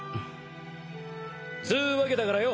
つうわけだからよ